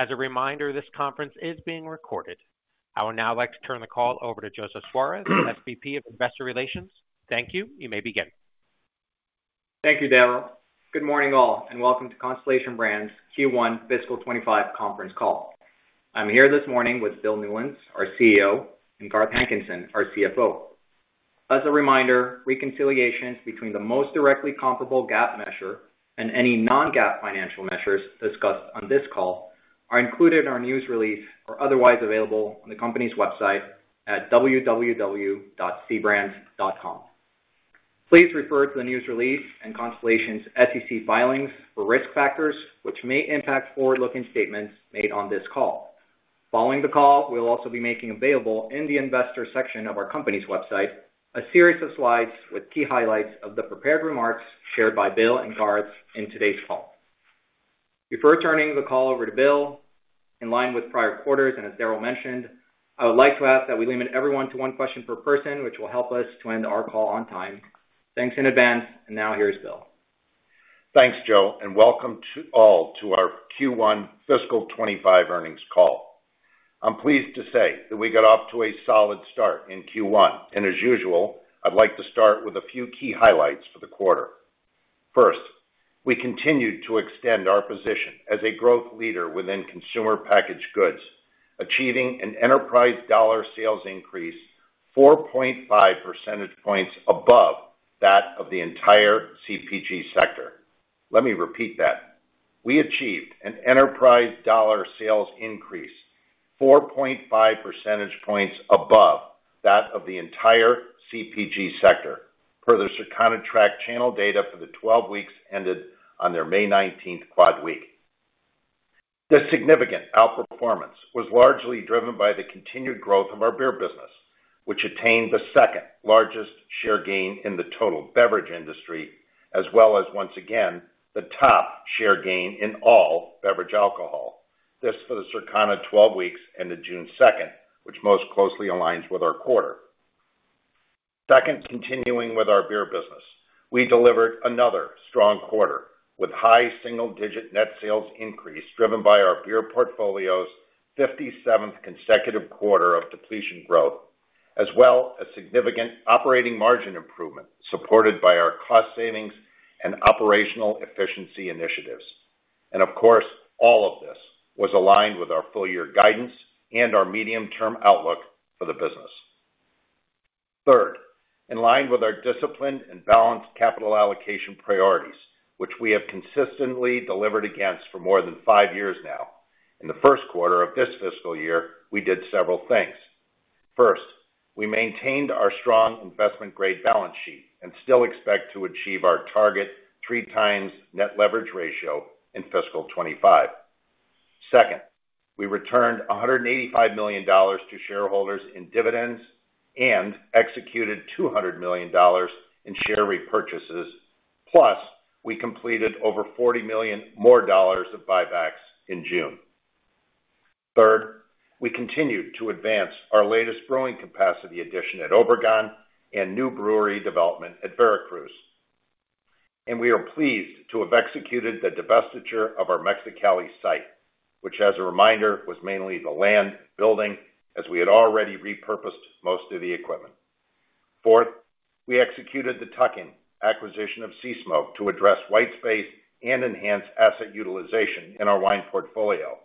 As a reminder, this conference is being recorded. I would now like to turn the call over to Joseph Suarez, SVP of Investor Relations. Thank you. You may begin. Thank you, Darrell. Good morning, all, and welcome to Constellation Brands Q1 Fiscal 2025 Conference Call. I'm here this morning with Bill Newlands, our CEO, and Garth Hankinson, our CFO. As a reminder, reconciliations between the most directly comparable GAAP measure and any non-GAAP financial measures discussed on this call are included in our news release or otherwise available on the company's website at www.cbrands.com. Please refer to the news release and Constellation's SEC filings for risk factors which may impact forward-looking statements made on this call. Following the call, we'll also be making available in the investor section of our company's website a series of slides with key highlights of the prepared remarks shared by Bill and Garth in today's call. Before turning the call over to Bill, in line with prior quarters and as Darrell mentioned, I would like to ask that we limit everyone to one question per person, which will help us to end our call on time. Thanks in advance. And now, here's Bill. Thanks, Joe, and welcome to all to our Q1 Fiscal 2025 Earnings Call. I'm pleased to say that we got off to a solid start in Q1, and as usual, I'd like to start with a few key highlights for the quarter. First, we continued to extend our position as a growth leader within consumer packaged goods, achieving an enterprise dollar sales increase 4.5 percentage points above that of the entire CPG sector. Let me repeat that. We achieved an enterprise dollar sales increase 4.5 percentage points above that of the entire CPG sector, per Circana track channel data for the 12 weeks ended on the May 19th quad week. The significant outperformance was largely driven by the continued growth of our beer business, which attained the second-largest share gain in the total beverage industry, as well as, once again, the top share gain in all beverage alcohol. This for the Circana 12 weeks ended June 2nd, which most closely aligns with our quarter. Second, continuing with our beer business, we delivered another strong quarter with high single-digit net sales increase driven by our beer portfolio's 57th consecutive quarter of depletion growth, as well as significant operating margin improvement supported by our cost savings and operational efficiency initiatives. Of course, all of this was aligned with our full-year guidance and our medium-term outlook for the business. Third, in line with our disciplined and balanced capital allocation priorities, which we have consistently delivered against for more than five years now, in the first quarter of this fiscal year, we did several things. First, we maintained our strong investment-grade balance sheet and still expect to achieve our target 3x net leverage ratio in fiscal 2025. Second, we returned $185 million to shareholders in dividends and executed $200 million in share repurchases, plus we completed over $40 million more dollars of buybacks in June. Third, we continued to advance our latest brewing capacity addition at Obregón and new brewery development at Veracruz. And we are pleased to have executed the divestiture of our Mexicali site, which, as a reminder, was mainly the land building as we had already repurposed most of the equipment. Fourth, we executed the tuck-in acquisition of Sea Smoke to address white space and enhance asset utilization in our wine portfolio,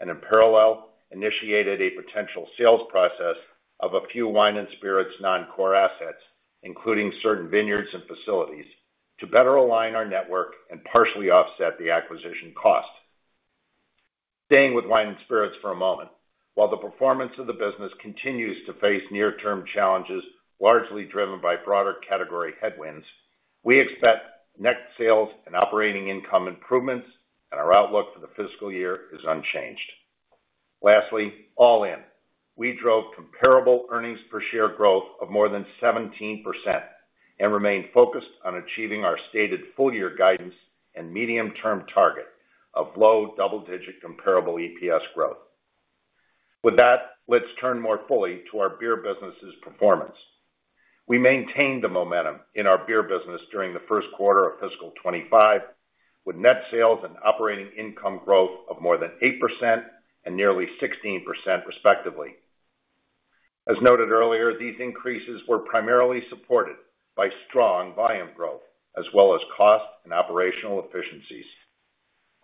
and in parallel, initiated a potential sales process of a few wine and spirits non-core assets, including certain vineyards and facilities, to better align our network and partially offset the acquisition cost. Staying with wine and spirits for a moment, while the performance of the business continues to face near-term challenges largely driven by broader category headwinds, we expect net sales and operating income improvements, and our outlook for the fiscal year is unchanged. Lastly, all in, we drove comparable earnings per share growth of more than 17% and remained focused on achieving our stated full-year guidance and medium-term target of low double-digit comparable EPS growth. With that, let's turn more fully to our beer business's performance. We maintained the momentum in our beer business during the first quarter of fiscal 2025, with net sales and operating income growth of more than 8% and nearly 16%, respectively. As noted earlier, these increases were primarily supported by strong volume growth, as well as cost and operational efficiencies.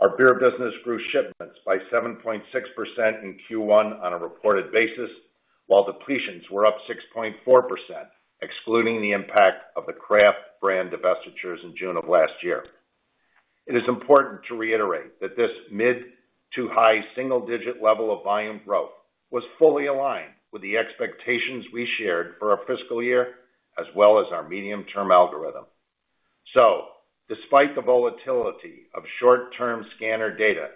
Our beer business grew shipments by 7.6% in Q1 on a reported basis, while depletions were up 6.4%, excluding the impact of the craft brand divestitures in June of last year. It is important to reiterate that this mid to high single-digit level of volume growth was fully aligned with the expectations we shared for our fiscal year, as well as our medium-term algorithm. So, despite the volatility of short-term scanner data,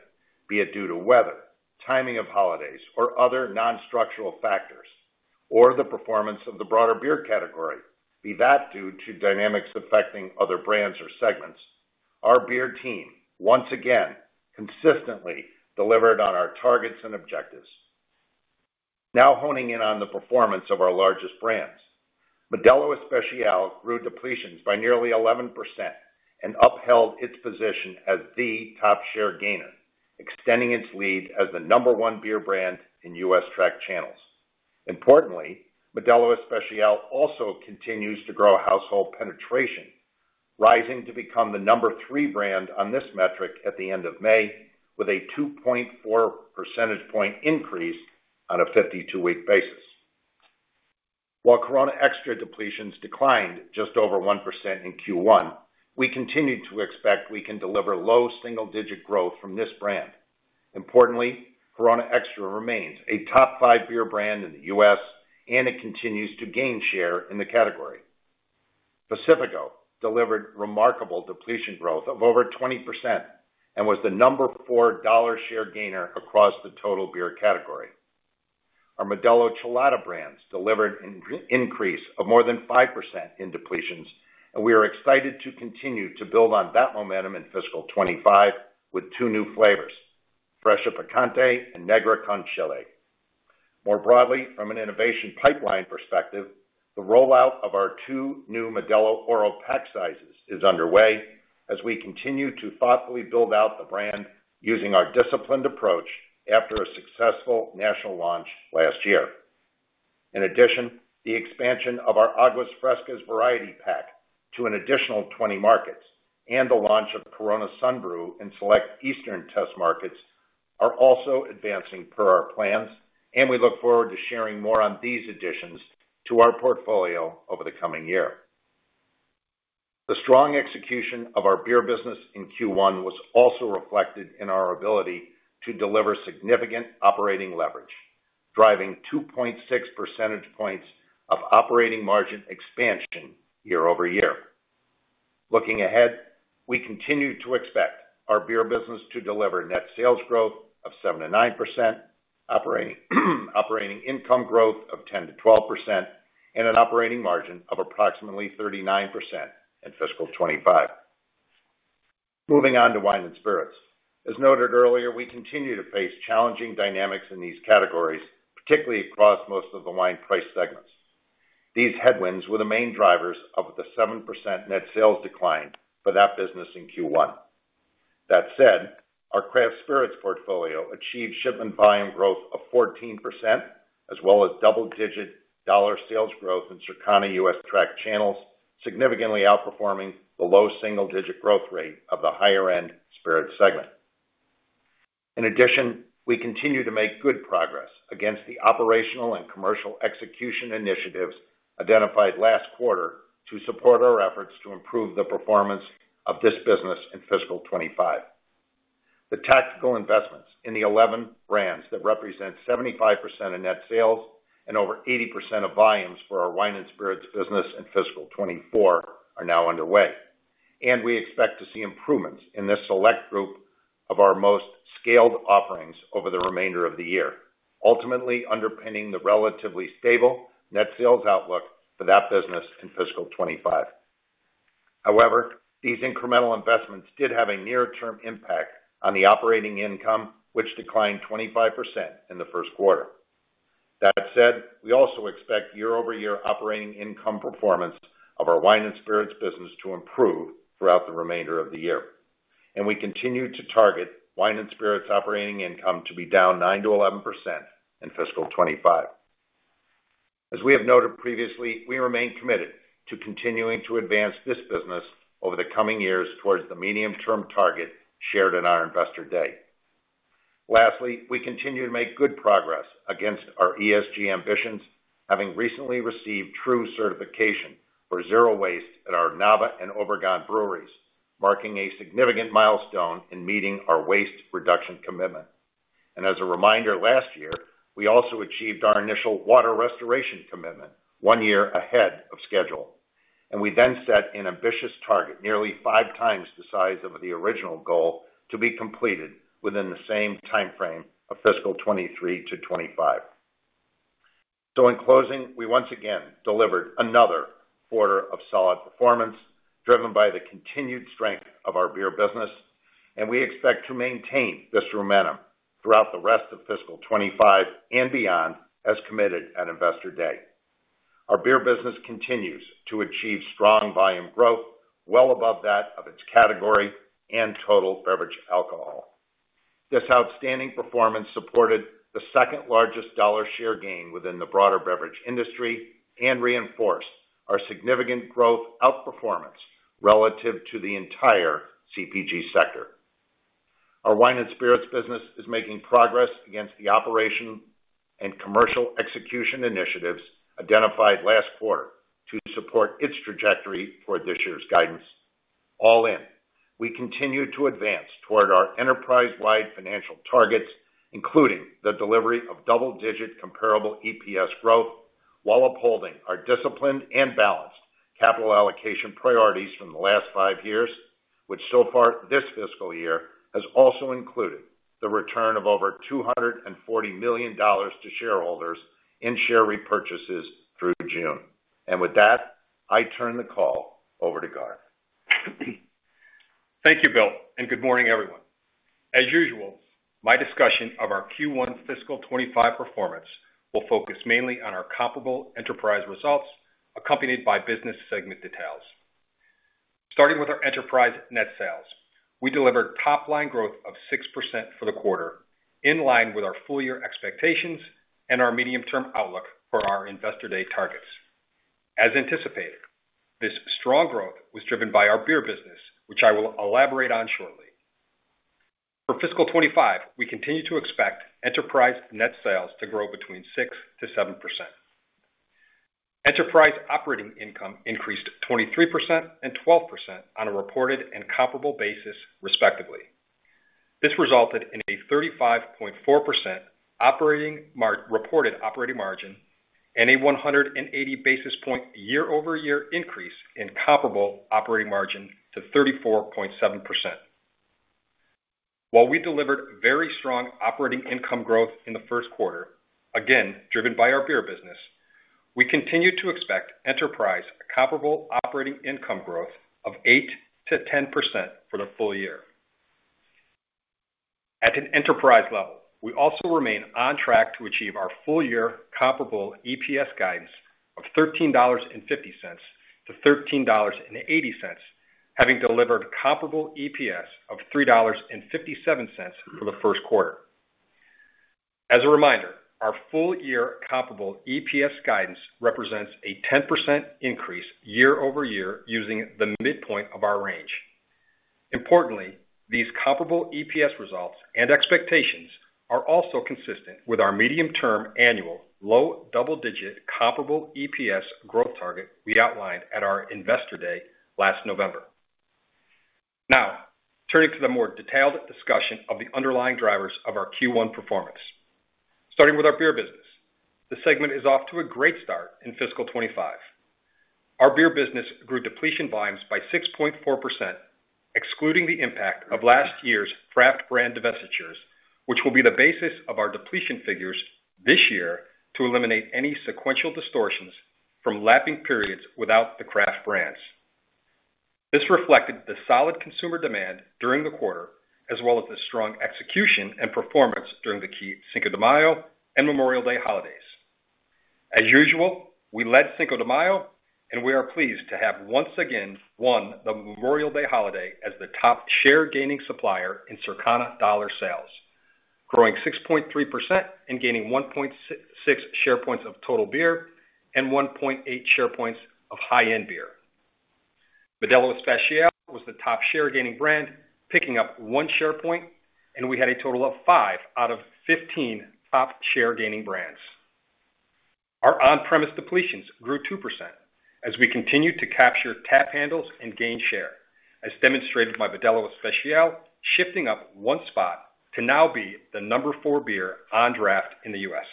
be it due to weather, timing of holidays, or other non-structural factors, or the performance of the broader beer category, be that due to dynamics affecting other brands or segments, our beer team, once again, consistently delivered on our targets and objectives. Now honing in on the performance of our largest brands, Modelo Especial grew depletions by nearly 11% and upheld its position as the top share gainer, extending its lead as the number one beer brand in U.S. tracked channels. Importantly, Modelo Especial also continues to grow household penetration, rising to become the number three brand on this metric at the end of May, with a 2.4 percentage point increase on a 52-week basis. While Corona Extra depletions declined just over 1% in Q1, we continue to expect we can deliver low single-digit growth from this brand. Importantly, Corona Extra remains a top five beer brand in the U.S., and it continues to gain share in the category. Pacifico delivered remarkable depletion growth of over 20% and was the number four dollar share gainer across the total beer category. Our Modelo Chelada brands delivered an increase of more than 5% in depletions, and we are excited to continue to build on that momentum in fiscal 2025 with two new flavors: Fresca Picante and Negra Modelo. More broadly, from an innovation pipeline perspective, the rollout of our two new Modelo Oro pack sizes is underway as we continue to thoughtfully build out the brand using our disciplined approach after a successful national launch last year. In addition, the expansion of our Aguas Frescas variety pack to an additional 20 markets and the launch of Corona Sunbrew in select Eastern test markets are also advancing per our plans, and we look forward to sharing more on these additions to our portfolio over the coming year. The strong execution of our beer business in Q1 was also reflected in our ability to deliver significant operating leverage, driving 2.6 percentage points of operating margin expansion year-over-year. Looking ahead, we continue to expect our beer business to deliver net sales growth of 7%-9%, operating income growth of 10%-12%, and an operating margin of approximately 39% in fiscal 2025. Moving on to wine and spirits. As noted earlier, we continue to face challenging dynamics in these categories, particularly across most of the wine price segments. These headwinds were the main drivers of the 7% net sales decline for that business in Q1. That said, our Craft Spirits portfolio achieved shipment volume growth of 14%, as well as double-digit dollar sales growth in Circana U.S. track channels, significantly outperforming the low single-digit growth rate of the higher-end spirit segment. In addition, we continue to make good progress against the operational and commercial execution initiatives identified last quarter to support our efforts to improve the performance of this business in fiscal 2025. The tactical investments in the 11 brands that represent 75% of net sales and over 80% of volumes for our wine and spirits business in fiscal 2024 are now underway, and we expect to see improvements in this select group of our most scaled offerings over the remainder of the year, ultimately underpinning the relatively stable net sales outlook for that business in fiscal 2025. However, these incremental investments did have a near-term impact on the operating income, which declined 25% in the first quarter. That said, we also expect year-over-year operating income performance of our wine and spirits business to improve throughout the remainder of the year, and we continue to target wine and spirits operating income to be down 9%-11% in fiscal 2025. As we have noted previously, we remain committed to continuing to advance this business over the coming years towards the medium-term target shared in our Investor Day. Lastly, we continue to make good progress against our ESG ambitions, having recently received TRUE Zero Waste certification at our Nava and Obregón breweries, marking a significant milestone in meeting our waste reduction commitment. As a reminder, last year, we also achieved our initial water restoration commitment one year ahead of schedule, and we then set an ambitious target, nearly five times the size of the original goal, to be completed within the same timeframe of fiscal 2023-2025. In closing, we once again delivered another quarter of solid performance driven by the continued strength of our beer business, and we expect to maintain this momentum throughout the rest of fiscal 2025 and beyond, as committed at Investor Day. Our beer business continues to achieve strong volume growth well above that of its category and total beverage alcohol. This outstanding performance supported the second-largest dollar share gain within the broader beverage industry and reinforced our significant growth outperformance relative to the entire CPG sector. Our wine and spirits business is making progress against the operation and commercial execution initiatives identified last quarter to support its trajectory for this year's guidance. All in, we continue to advance toward our enterprise-wide financial targets, including the delivery of double-digit comparable EPS growth, while upholding our disciplined and balanced capital allocation priorities from the last five years, which so far this fiscal year has also included the return of over $240 million to shareholders in share repurchases through June. And with that, I turn the call over to Garth. Thank you, Bill, and good morning, everyone. As usual, my discussion of our Q1 fiscal 2025 performance will focus mainly on our comparable enterprise results, accompanied by business segment details. Starting with our enterprise net sales, we delivered top-line growth of 6% for the quarter, in line with our full-year expectations and our medium-term outlook for our Investor Day targets. As anticipated, this strong growth was driven by our beer business, which I will elaborate on shortly. For fiscal 2025, we continue to expect enterprise net sales to grow between 6%-7%. Enterprise operating income increased 23% and 12% on a reported and comparable basis, respectively. This resulted in a 35.4% reported operating margin and a 180 basis points year-over-year increase in comparable operating margin to 34.7%. While we delivered very strong operating income growth in the first quarter, again driven by our beer business, we continue to expect enterprise comparable operating income growth of 8%-10% for the full year. At an enterprise level, we also remain on track to achieve our full-year Comparable EPS guidance of $13.50-$13.80, having delivered Comparable EPS of $3.57 for the first quarter. As a reminder, our full-year Comparable EPS guidance represents a 10% increase year-over-year using the midpoint of our range. Importantly, these Comparable EPS results and expectations are also consistent with our medium-term annual low double-digit Comparable EPS growth target we outlined at our Investor Day last November. Now, turning to the more detailed discussion of the underlying drivers of our Q1 performance. Starting with our beer business, the segment is off to a great start in fiscal 2025. Our beer business grew depletion volumes by 6.4%, excluding the impact of last year's craft brand divestitures, which will be the basis of our depletion figures this year to eliminate any sequential distortions from lapping periods without the craft brands. This reflected the solid consumer demand during the quarter, as well as the strong execution and performance during the key Cinco de Mayo and Memorial Day holidays. As usual, we led Cinco de Mayo, and we are pleased to have once again won the Memorial Day holiday as the top share-gaining supplier in Circana dollar sales, growing 6.3% and gaining 1.6 share points of total beer and 1.8 share points of high-end beer. Modelo Especial was the top share-gaining brand, picking up one share point, and we had a total of five out of 15 top share-gaining brands. Our on-premise depletions grew 2% as we continued to capture tap handles and gain share, as demonstrated by Modelo Especial, shifting up one spot to now be the number four beer on draft in the U.S.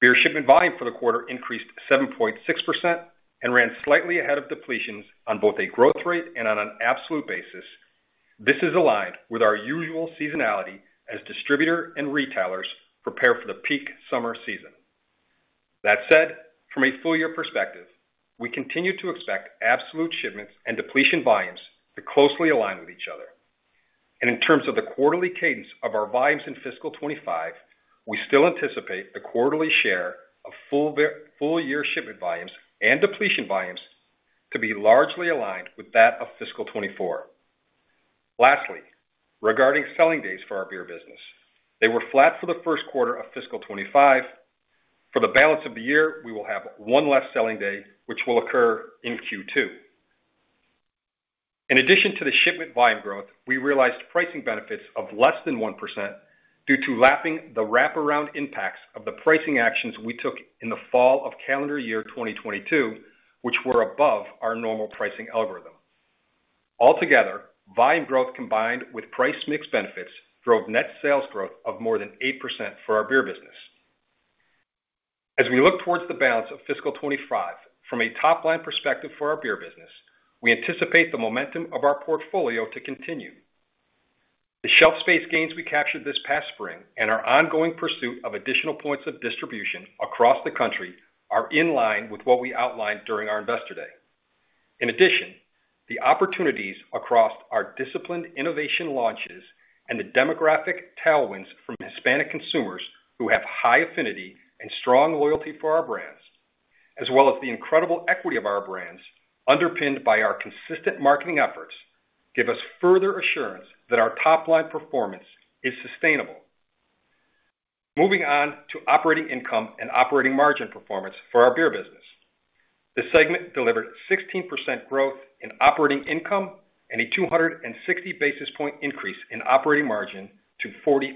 Beer shipment volume for the quarter increased 7.6% and ran slightly ahead of depletions on both a growth rate and on an absolute basis. This is aligned with our usual seasonality as distributors and retailers prepare for the peak summer season. That said, from a full-year perspective, we continue to expect absolute shipments and depletion volumes to closely align with each other. And in terms of the quarterly cadence of our volumes in fiscal 2025, we still anticipate the quarterly share of full-year shipment volumes and depletion volumes to be largely aligned with that of fiscal 2024. Lastly, regarding selling days for our beer business, they were flat for the first quarter of fiscal 2025. For the balance of the year, we will have one less selling day, which will occur in Q2. In addition to the shipment volume growth, we realized pricing benefits of less than 1% due to lapping the wraparound impacts of the pricing actions we took in the fall of calendar year 2022, which were above our normal pricing algorithm. Altogether, volume growth combined with price mix benefits drove net sales growth of more than 8% for our beer business. As we look towards the balance of fiscal 2025 from a top-line perspective for our beer business, we anticipate the momentum of our portfolio to continue. The shelf space gains we captured this past spring and our ongoing pursuit of additional points of distribution across the country are in line with what we outlined during our Investor Day. In addition, the opportunities across our disciplined innovation launches and the demographic tailwinds from Hispanic consumers who have high affinity and strong loyalty for our brands, as well as the incredible equity of our brands, underpinned by our consistent marketing efforts, give us further assurance that our top-line performance is sustainable. Moving on to operating income and operating margin performance for our beer business. The segment delivered 16% growth in operating income and a 260 basis points increase in operating margin to 40.6%.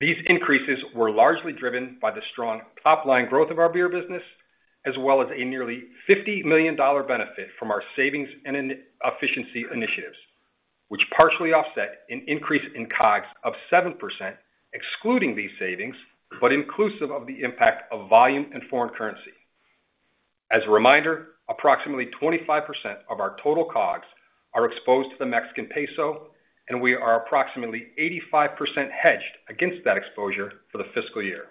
These increases were largely driven by the strong top-line growth of our beer business, as well as a nearly $50 million benefit from our savings and efficiency initiatives, which partially offset an increase in COGS of 7%, excluding these savings, but inclusive of the impact of volume and foreign currency. As a reminder, approximately 25% of our total COGS are exposed to the Mexican peso, and we are approximately 85% hedged against that exposure for the fiscal year.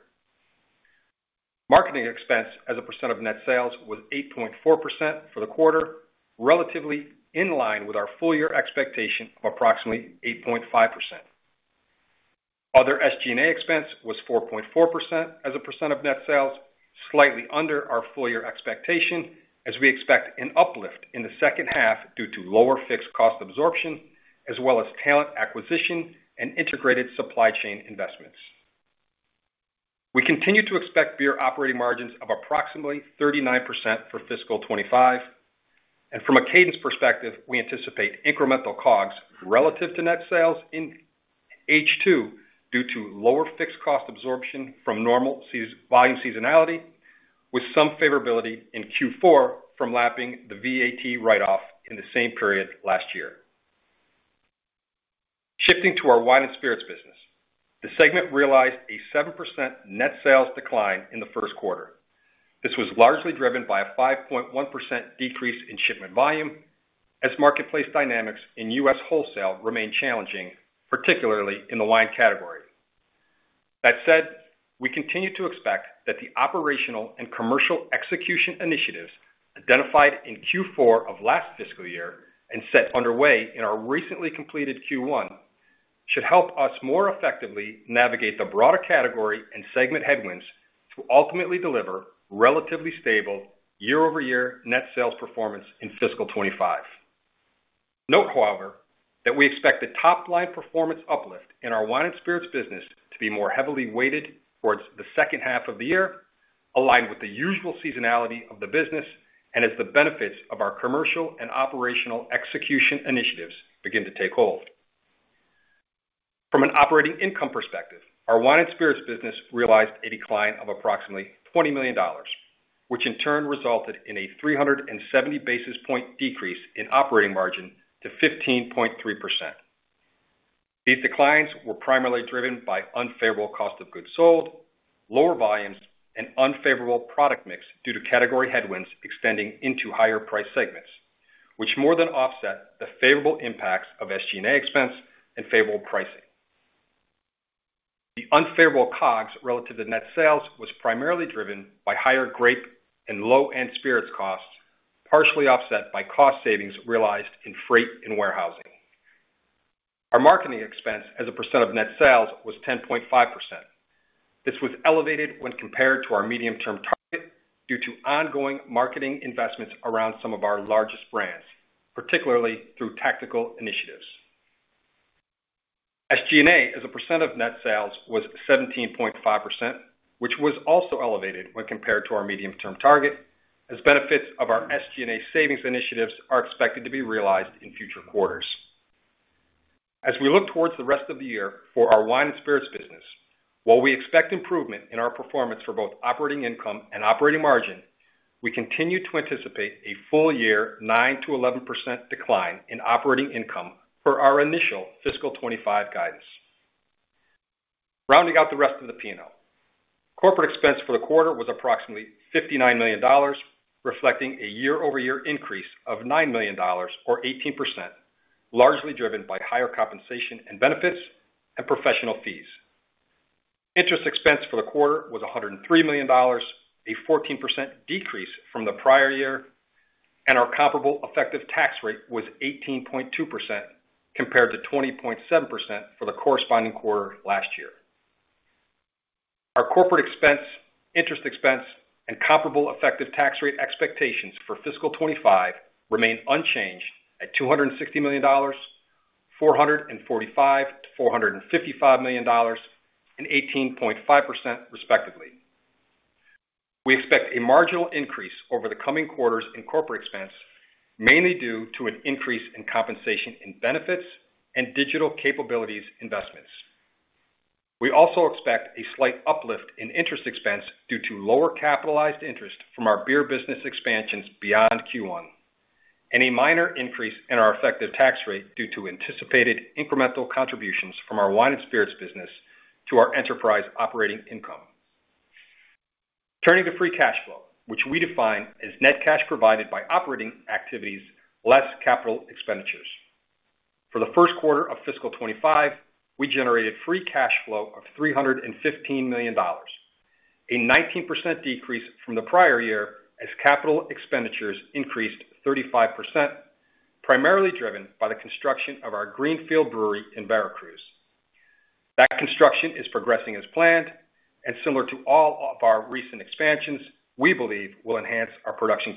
Marketing expense as a percent of net sales was 8.4% for the quarter, relatively in line with our full-year expectation of approximately 8.5%. Other SG&A expense was 4.4% as a percent of net sales, slightly under our full-year expectation, as we expect an uplift in the second half due to lower fixed cost absorption, as well as talent acquisition and integrated supply chain investments. We continue to expect beer operating margins of approximately 39% for fiscal 2025. From a cadence perspective, we anticipate incremental COGS relative to net sales in H2 due to lower fixed cost absorption from normal volume seasonality, with some favorability in Q4 from lapping the VAT write-off in the same period last year. Shifting to our wine and spirits business, the segment realized a 7% net sales decline in the first quarter. This was largely driven by a 5.1% decrease in shipment volume, as marketplace dynamics in U.S. wholesale remain challenging, particularly in the wine category. That said, we continue to expect that the operational and commercial execution initiatives identified in Q4 of last fiscal year and set underway in our recently completed Q1 should help us more effectively navigate the broader category and segment headwinds to ultimately deliver relatively stable year-over-year net sales performance in fiscal 2025. Note, however, that we expect the top-line performance uplift in our wine and spirits business to be more heavily weighted towards the second half of the year, aligned with the usual seasonality of the business, and as the benefits of our commercial and operational execution initiatives begin to take hold. From an operating income perspective, our wine and spirits business realized a decline of approximately $20 million, which in turn resulted in a 370 basis point decrease in operating margin to 15.3%. These declines were primarily driven by unfavorable cost of goods sold, lower volumes, and unfavorable product mix due to category headwinds extending into higher price segments, which more than offset the favorable impacts of SG&A expense and favorable pricing. The unfavorable COGS relative to net sales was primarily driven by higher grape and low-end spirits costs, partially offset by cost savings realized in freight and warehousing. Our marketing expense as a percent of net sales was 10.5%. This was elevated when compared to our medium-term target due to ongoing marketing investments around some of our largest brands, particularly through tactical initiatives. SG&A as a percent of net sales was 17.5%, which was also elevated when compared to our medium-term target, as benefits of our SG&A savings initiatives are expected to be realized in future quarters. As we look towards the rest of the year for our wine and spirits business, while we expect improvement in our performance for both operating income and operating margin, we continue to anticipate a full-year 9%-11% decline in operating income for our initial fiscal 2025 guidance. Rounding out the rest of the P&L, corporate expense for the quarter was approximately $59 million, reflecting a year-over-year increase of $9 million, or 18%, largely driven by higher compensation and benefits and professional fees. Interest expense for the quarter was $103 million, a 14% decrease from the prior year, and our comparable effective tax rate was 18.2% compared to 20.7% for the corresponding quarter last year. Our corporate expense, interest expense, and comparable effective tax rate expectations for fiscal 2025 remain unchanged at $260 million, $445 million-$455 million, and 18.5%, respectively. We expect a marginal increase over the coming quarters in corporate expense, mainly due to an increase in compensation and benefits and digital capabilities investments. We also expect a slight uplift in interest expense due to lower capitalized interest from our beer business expansions beyond Q1, and a minor increase in our effective tax rate due to anticipated incremental contributions from our wine and spirits business to our enterprise operating income. Turning to free cash flow, which we define as net cash provided by operating activities less capital expenditures. For the first quarter of fiscal 2025, we generated free cash flow of $315 million, a 19% decrease from the prior year as capital expenditures increased 35%, primarily driven by the construction of our greenfield brewery in Veracruz. That construction is progressing as planned, and similar to all of our recent expansions, we believe will enhance our production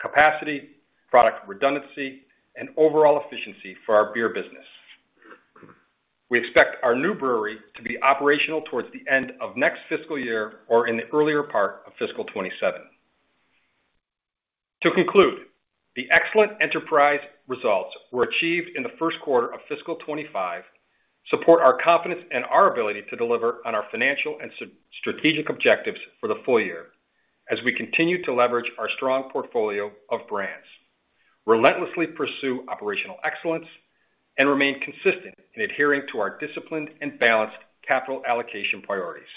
capacity, product redundancy, and overall efficiency for our beer business. We expect our new brewery to be operational towards the end of next fiscal year or in the earlier part of fiscal 2027. To conclude, the excellent enterprise results we're achieving in the first quarter of fiscal 2025 support our confidence and our ability to deliver on our financial and strategic objectives for the full year, as we continue to leverage our strong portfolio of brands, relentlessly pursue operational excellence, and remain consistent in adhering to our disciplined and balanced capital allocation priorities.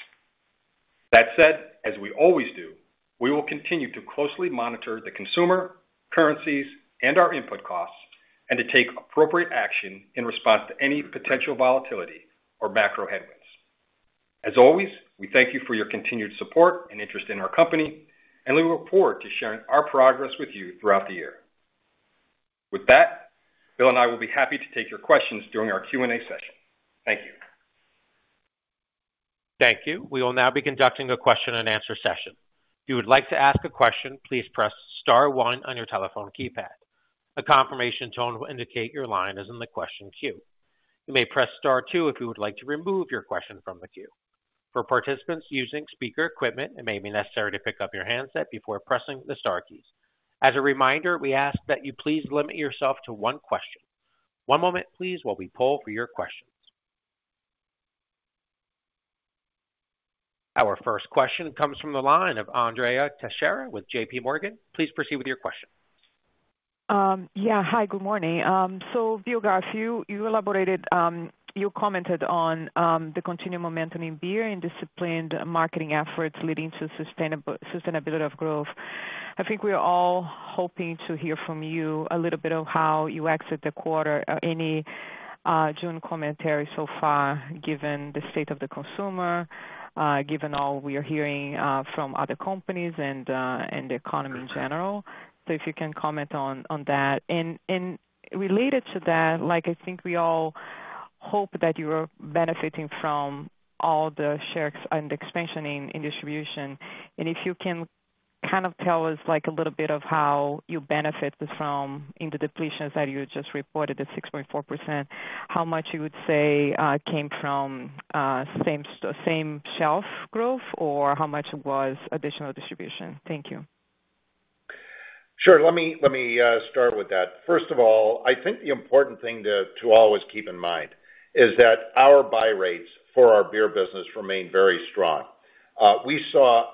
That said, as we always do, we will continue to closely monitor the consumer, currencies, and our input costs, and to take appropriate action in response to any potential volatility or macro headwinds. As always, we thank you for your continued support and interest in our company, and we look forward to sharing our progress with you throughout the year. With that, Bill and I will be happy to take your questions during our Q&A session. Thank you. Thank you. We will now be conducting a question and answer session. If you would like to ask a question, please press star one on your telephone keypad. A confirmation tone will indicate your line is in the question queue. You may press star two if you would like to remove your question from the queue. For participants using speaker equipment, it may be necessary to pick up your handset before pressing the star keys. As a reminder, we ask that you please limit yourself to one question. One moment, please, while we poll for your questions. Our first question comes from the line of Andrea Teixeira with J.P. Morgan. Please proceed with your question. Yeah. Hi, good morning. So, Bill Newlands, you elaborated, you commented on the continued momentum in beer and disciplined marketing efforts leading to sustainability of growth. I think we're all hoping to hear from you a little bit of how you exit the quarter. Any June commentary so far, given the state of the consumer, given all we are hearing from other companies and the economy in general? So if you can comment on that. And related to that, I think we all hope that you are benefiting from all the shares and the expansion in distribution. And if you can kind of tell us a little bit of how you benefit from the depletions that you just reported, the 6.4%, how much you would say came from same shelf growth, or how much was additional distribution? Thank you. Sure. Let me start with that. First of all, I think the important thing to always keep in mind is that our buy rates for our beer business remain very strong. We saw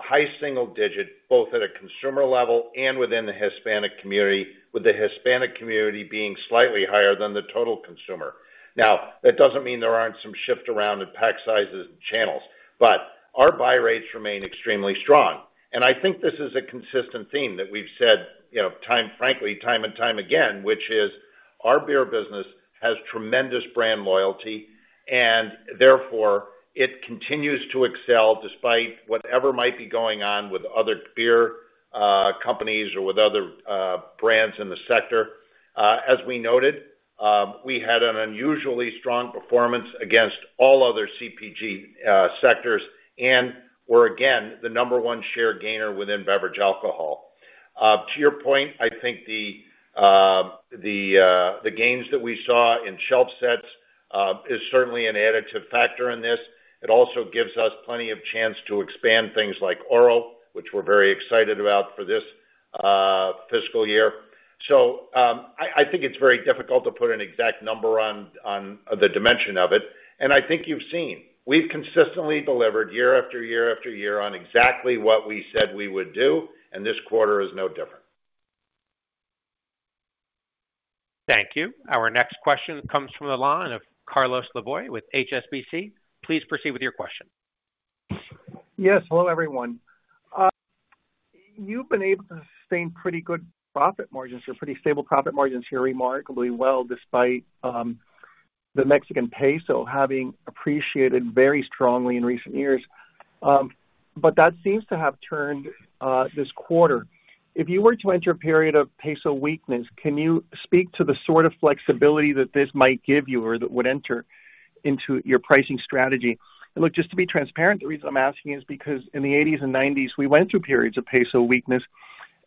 high single digits both at a consumer level and within the Hispanic community, with the Hispanic community being slightly higher than the total consumer. Now, that doesn't mean there aren't some shifts around in pack sizes and channels, but our buy rates remain extremely strong. And I think this is a consistent theme that we've said, frankly, time and time again, which is our beer business has tremendous brand loyalty, and therefore it continues to excel despite whatever might be going on with other beer companies or with other brands in the sector. As we noted, we had an unusually strong performance against all other CPG sectors and were, again, the number one share gainer within beverage alcohol. To your point, I think the gains that we saw in shelf sets is certainly an additive factor in this. It also gives us plenty of chance to expand things like Oro, which we're very excited about for this fiscal year. So I think it's very difficult to put an exact number on the dimension of it. And I think you've seen we've consistently delivered year after year after year on exactly what we said we would do, and this quarter is no different. Thank you. Our next question comes from the line of Carlos Laboy with HSBC. Please proceed with your question. Yes. Hello, everyone. You've been able to sustain pretty good profit margins here, pretty stable profit margins here, remarkably well despite the Mexican peso having appreciated very strongly in recent years. But that seems to have turned this quarter. If you were to enter a period of peso weakness, can you speak to the sort of flexibility that this might give you or that would enter into your pricing strategy? And look, just to be transparent, the reason I'm asking is because in the 1980s and 1990s, we went through periods of peso weakness,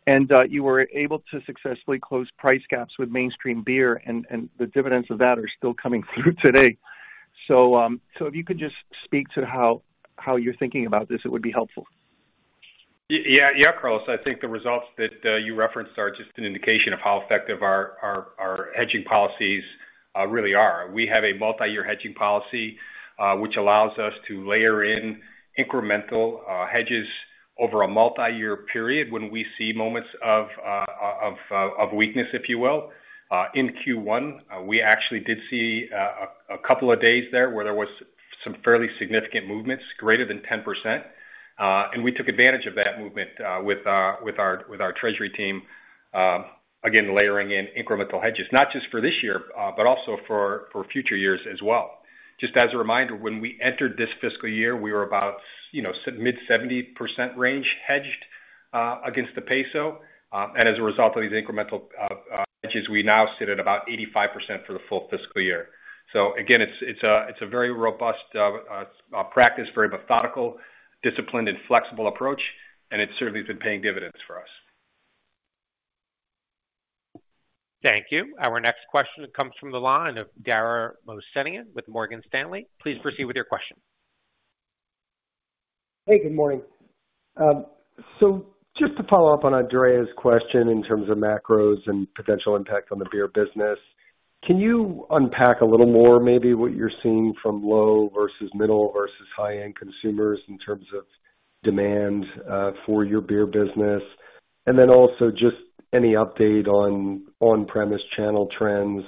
and you were able to successfully close price gaps with mainstream beer, and the dividends of that are still coming through today. So if you could just speak to how you're thinking about this, it would be helpful. Yeah. Yeah, Carlos. I think the results that you referenced are just an indication of how effective our hedging policies really are. We have a multi-year hedging policy, which allows us to layer in incremental hedges over a multi-year period when we see moments of weakness, if you will. In Q1, we actually did see a couple of days there where there were some fairly significant movements, greater than 10%. We took advantage of that movement with our treasury team, again, layering in incremental hedges, not just for this year, but also for future years as well. Just as a reminder, when we entered this fiscal year, we were about mid-70% range hedged against the peso. As a result of these incremental hedges, we now sit at about 85% for the full fiscal year. So again, it's a very robust practice, very methodical, disciplined, and flexible approach, and it certainly has been paying dividends for us. Thank you. Our next question comes from the line of Dara Mohsenian with Morgan Stanley. Please proceed with your question. Hey, good morning. So just to follow up on Andrea's question in terms of macros and potential impact on the beer business, can you unpack a little more maybe what you're seeing from low versus middle versus high-end consumers in terms of demand for your beer business? And then also just any update on on-premise channel trends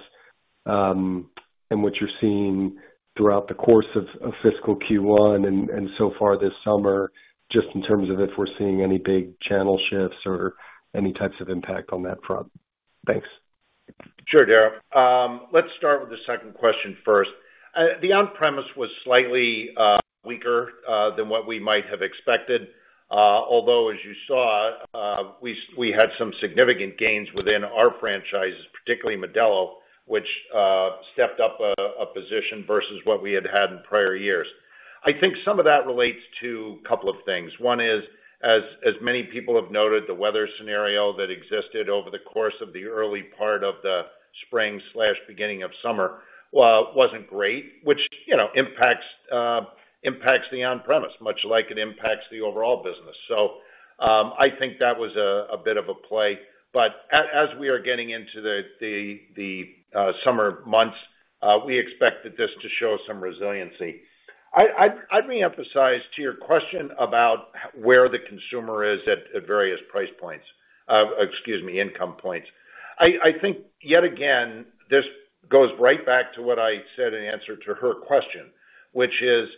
and what you're seeing throughout the course of fiscal Q1 and so far this summer, just in terms of if we're seeing any big channel shifts or any types of impact on that front? Thanks. Sure, Dara. Let's start with the second question first. The on-premise was slightly weaker than what we might have expected, although, as you saw, we had some significant gains within our franchises, particularly Modelo, which stepped up a position versus what we had had in prior years. I think some of that relates to a couple of things. One is, as many people have noted, the weather scenario that existed over the course of the early part of the spring/beginning of summer wasn't great, which impacts the on-premise, much like it impacts the overall business. So I think that was a bit of a play. But as we are getting into the summer months, we expect that this to show some resiliency. I'd re-emphasize to your question about where the consumer is at various price points, excuse me, income points. I think, yet again, this goes right back to what I said in answer to her question, which is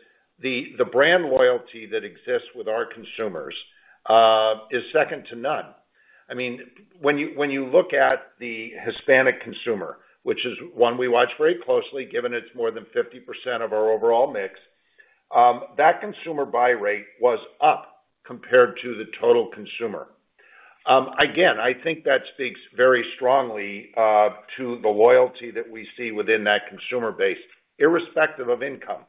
the brand loyalty that exists with our consumers is second to none. I mean, when you look at the Hispanic consumer, which is one we watch very closely, given it's more than 50% of our overall mix, that consumer buy rate was up compared to the total consumer. Again, I think that speaks very strongly to the loyalty that we see within that consumer base, irrespective of income.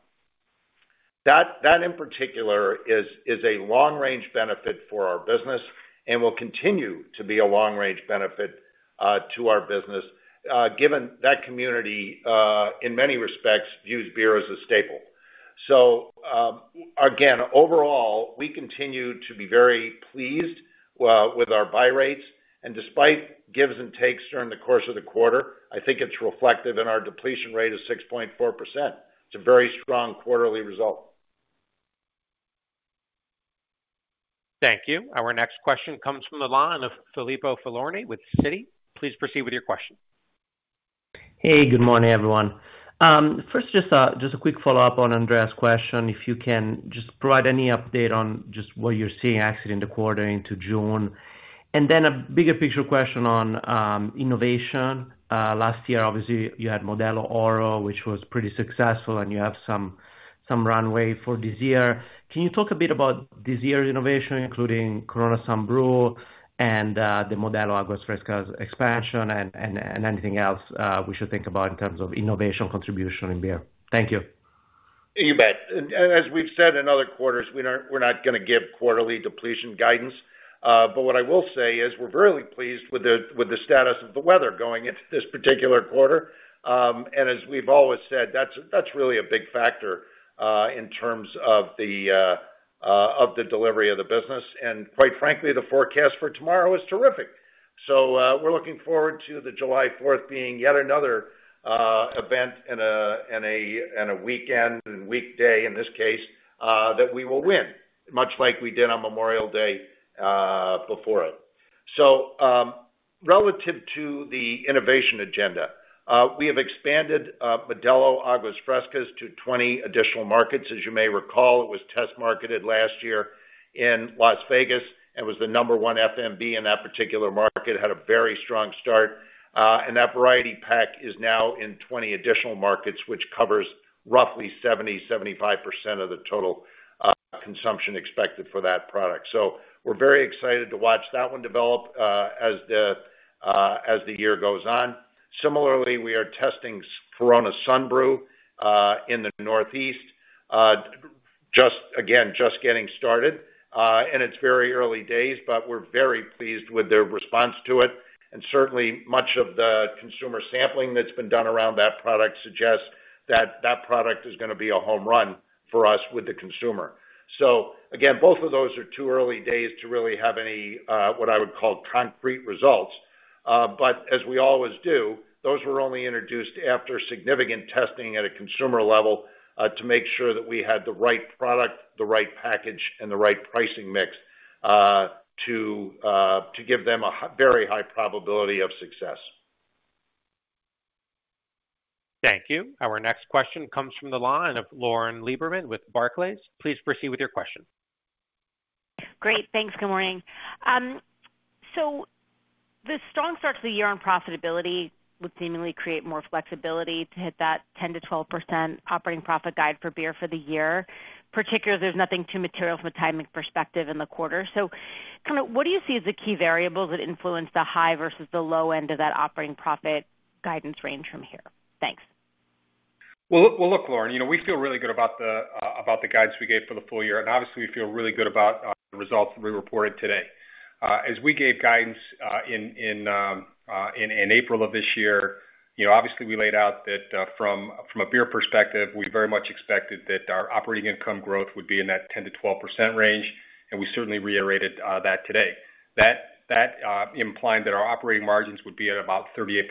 That, in particular, is a long-range benefit for our business and will continue to be a long-range benefit to our business, given that community, in many respects, views beer as a staple. So again, overall, we continue to be very pleased with our buy rates. And despite gives and takes during the course of the quarter, I think it's reflective in our depletion rate of 6.4%. It's a very strong quarterly result. Thank you. Our next question comes from the line of Filippo Falorni with Citi. Please proceed with your question. Hey, good morning, everyone. First, just a quick follow-up on Andrea's question. If you can just provide any update on just what you're seeing actually in the quarter into June. And then a bigger picture question on innovation. Last year, obviously, you had Modelo Oro, which was pretty successful, and you have some runway for this year. Can you talk a bit about this year's innovation, including Corona Sunbrew and the Modelo Aguas Frescas expansion and anything else we should think about in terms of innovation contribution in beer? Thank you. You bet. As we've said, in other quarters, we're not going to give quarterly depletion guidance. But what I will say is we're very pleased with the status of the weather going into this particular quarter. And as we've always said, that's really a big factor in terms of the delivery of the business. And quite frankly, the forecast for tomorrow is terrific. So we're looking forward to the July 4th being yet another event and a weekend and weekday, in this case, that we will win, much like we did on Memorial Day before it. So relative to the innovation agenda, we have expanded Modelo Aguas Frescas to 20 additional markets. As you may recall, it was test marketed last year in Las Vegas and was the number one FMB in that particular market, had a very strong start. And that variety pack is now in 20 additional markets, which covers roughly 70%-75% of the total consumption expected for that product. So we're very excited to watch that one develop as the year goes on. Similarly, we are testing Corona Sunbrew in the northeast, again, just getting started. And it's very early days, but we're very pleased with their response to it. And certainly, much of the consumer sampling that's been done around that product suggests that that product is going to be a home run for us with the consumer. So again, both of those are too early days to really have any, what I would call, concrete results. But as we always do, those were only introduced after significant testing at a consumer level to make sure that we had the right product, the right package, and the right pricing mix to give them a very high probability of success. Thank you. Our next question comes from the line of Lauren Lieberman with Barclays. Please proceed with your question. Great. Thanks. Good morning. So the strong start to the year on profitability would seemingly create more flexibility to hit that 10%-12% operating profit guide for beer for the year, particularly if there's nothing too material from a timing perspective in the quarter. So kind of what do you see as the key variables that influence the high versus the low end of that operating profit guidance range from here? Thanks. Well, look, Lauren, we feel really good about the guidance we gave for the full year. And obviously, we feel really good about the results that we reported today. As we gave guidance in April of this year, obviously, we laid out that from a beer perspective, we very much expected that our operating income growth would be in that 10%-12% range. And we certainly reiterated that today. That implied that our operating margins would be at about 38%.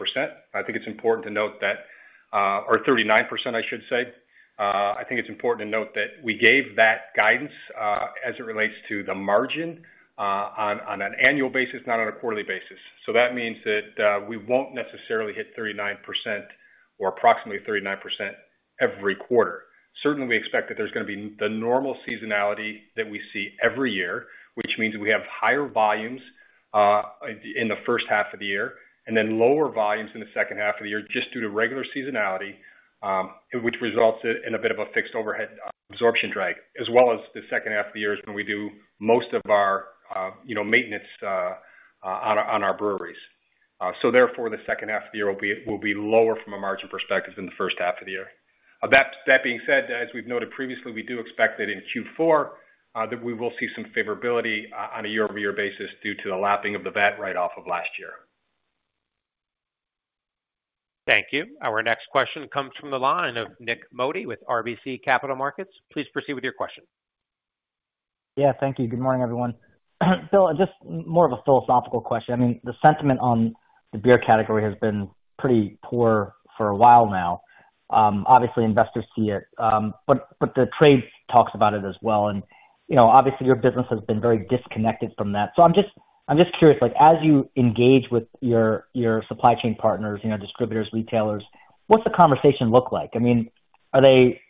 I think it's important to note that, or 39%, I should say. I think it's important to note that we gave that guidance as it relates to the margin on an annual basis, not on a quarterly basis. So that means that we won't necessarily hit 39% or approximately 39% every quarter. Certainly, we expect that there's going to be the normal seasonality that we see every year, which means we have higher volumes in the first half of the year and then lower volumes in the second half of the year just due to regular seasonality, which results in a bit of a fixed overhead absorption drag, as well as the second half of the year is when we do most of our maintenance on our breweries. So therefore, the second half of the year will be lower from a margin perspective than the first half of the year. That being said, as we've noted previously, we do expect that in Q4, that we will see some favorability on a year-over-year basis due to the lapping of the VAT write-off of last year. Thank you. Our next question comes from the line of Nik Modi with RBC Capital Markets. Please proceed with your question. Yeah. Thank you. Good morning, everyone. So just more of a philosophical question. I mean, the sentiment on the beer category has been pretty poor for a while now. Obviously, investors see it, but the trade talks about it as well. And obviously, your business has been very disconnected from that. So I'm just curious, as you engage with your supply chain partners, distributors, retailers, what's the conversation look like? I mean, are they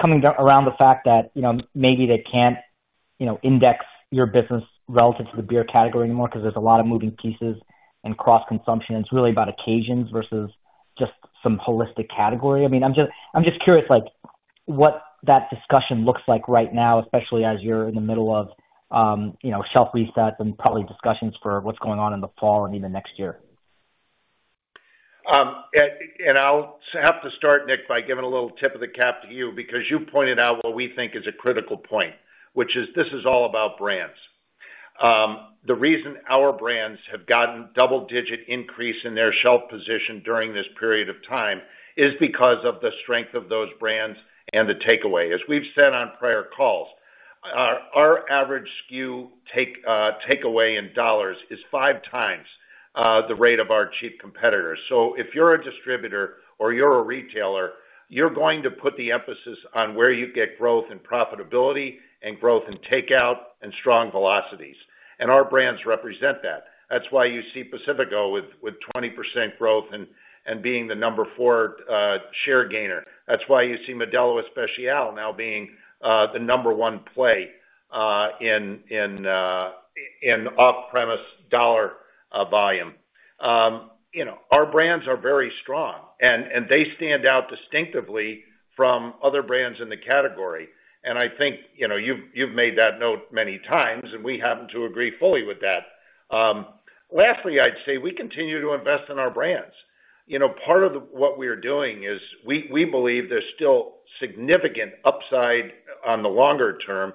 coming around the fact that maybe they can't index your business relative to the beer category anymore because there's a lot of moving pieces and cross-consumption? It's really about occasions versus just some holistic category. I mean, I'm just curious what that discussion looks like right now, especially as you're in the middle of shelf resets and probably discussions for what's going on in the fall and even next year. And I'll have to start, Nik, by giving a little tip of the cap to you because you pointed out what we think is a critical point, which is this is all about brands. The reason our brands have gotten double-digit increase in their shelf position during this period of time is because of the strength of those brands and the takeaway. As we've said on prior calls, our average SKU takeaway in dollars is five times the rate of our cheap competitors. So if you're a distributor or you're a retailer, you're going to put the emphasis on where you get growth and profitability and growth and takeaway and strong velocities. Our brands represent that. That's why you see Pacifico with 20% growth and being the number 4 share gainer. That's why you see Modelo Especial now being the number 1 play in off-premise dollar volume. Our brands are very strong, and they stand out distinctively from other brands in the category. I think you've made that note many times, and we happen to agree fully with that. Lastly, I'd say we continue to invest in our brands. Part of what we are doing is we believe there's still significant upside on the longer term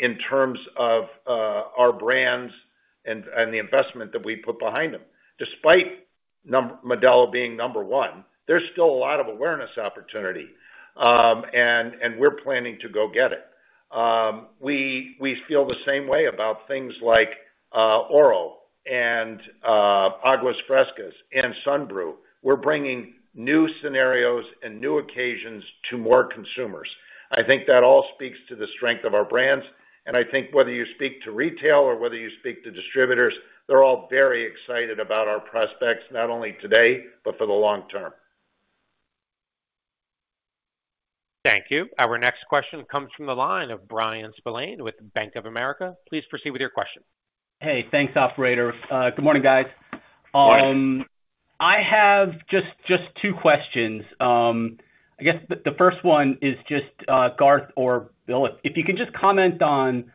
in terms of our brands and the investment that we put behind them. Despite Modelo being number one, there's still a lot of awareness opportunity, and we're planning to go get it. We feel the same way about things like Oro and Aguas Frescas and Sunbrew. We're bringing new scenarios and new occasions to more consumers. I think that all speaks to the strength of our brands. And I think whether you speak to retail or whether you speak to distributors, they're all very excited about our prospects, not only today, but for the long term. Thank you. Our next question comes from the line of Bryan Spillane with Bank of America. Please proceed with your question. Hey, thanks, operator. Good morning, guys. I have just two questions. I guess the first one is just Garth or Bill, if you can just comment on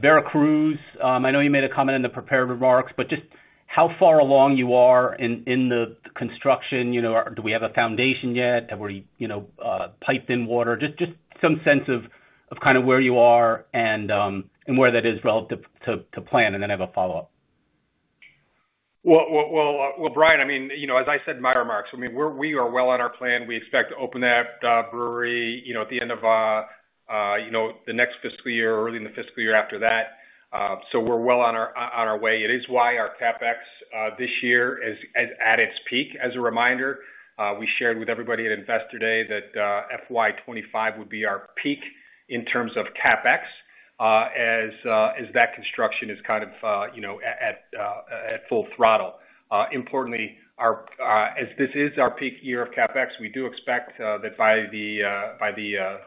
Veracruz. I know you made a comment in the prepared remarks, but just how far along you are in the construction? Do we have a foundation yet? Have we piped in water? Just some sense of kind of where you are and where that is relative to plan, and then I have a follow-up. Well, Bryan, I mean, as I said in my remarks, I mean, we are well on our plan. We expect to open that brewery at the end of the next fiscal year or early in the fiscal year after that. So we're well on our way. It is why our CapEx this year is at its peak. As a reminder, we shared with everybody at Investor Day that FY 2025 would be our peak in terms of CapEx as that construction is kind of at full throttle. Importantly, as this is our peak year of CapEx, we do expect that by the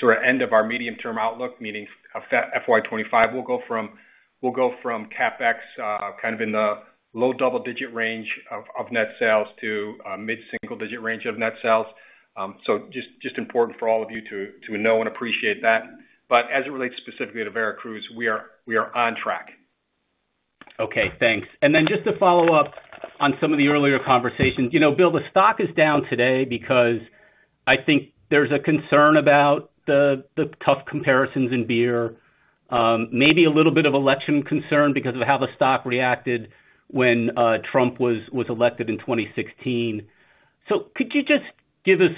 sort of end of our medium-term outlook, meaning FY 2025, we'll go from CapEx kind of in the low double-digit range of net sales to mid-single-digit range of net sales. So just important for all of you to know and appreciate that. But as it relates specifically to Veracruz, we are on track. Okay. Thanks. And then just to follow up on some of the earlier conversations, Bill, the stock is down today because I think there's a concern about the tough comparisons in beer, maybe a little bit of election concern because of how the stock reacted when Trump was elected in 2016. So could you just give us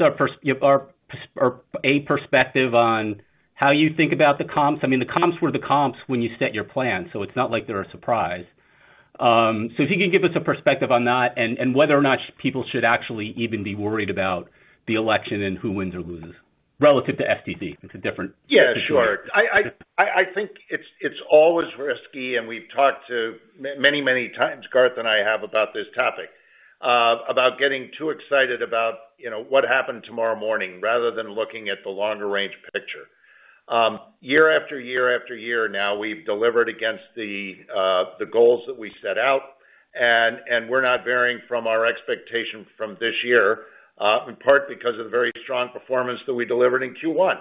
a perspective on how you think about the comps? I mean, the comps were the comps when you set your plan, so it's not like they're a surprise. So if you can give us a perspective on that and whether or not people should actually even be worried about the election and who wins or loses relative to STZ? It's a different situation. Yeah, sure. I think it's always risky, and we've talked many, many times, Garth and I have about this topic, about getting too excited about what happened tomorrow morning rather than looking at the longer-range picture. Year after year after year now, we've delivered against the goals that we set out, and we're not varying from our expectation from this year, in part because of the very strong performance that we delivered in Q1.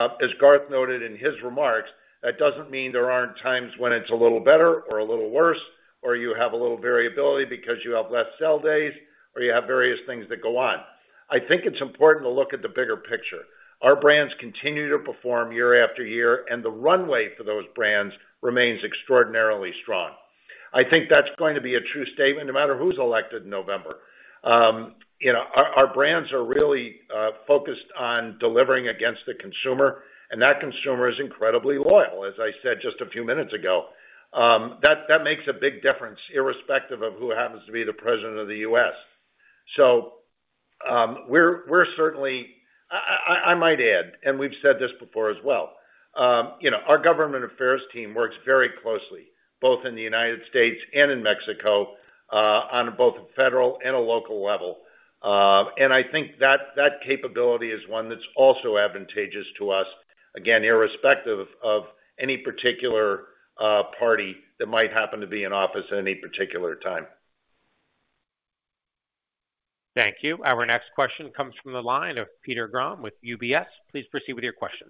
As Garth noted in his remarks, that doesn't mean there aren't times when it's a little better or a little worse, or you have a little variability because you have less sell days, or you have various things that go on. I think it's important to look at the bigger picture. Our brands continue to perform year after year, and the runway for those brands remains extraordinarily strong. I think that's going to be a true statement no matter who's elected in November. Our brands are really focused on delivering against the consumer, and that consumer is incredibly loyal, as I said just a few minutes ago. That makes a big difference irrespective of who happens to be the President of the U.S. So we're certainly (I might add, and we've said this before as well) our government affairs team works very closely, both in the United States and in Mexico, on both a federal and a local level. I think that capability is one that's also advantageous to us, again, irrespective of any particular party that might happen to be in office at any particular time. Thank you. Our next question comes from the line of Peter Grom with UBS. Please proceed with your question.